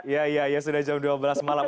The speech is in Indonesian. ya ya ya sudah jam dua belas malam